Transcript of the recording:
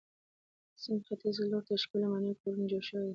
د سیند ختیځ لور ته ښکلې ماڼۍ او کورونه جوړ شوي دي.